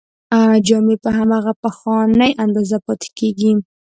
جامې په هماغه پخوانۍ اندازه پاتې کیږي.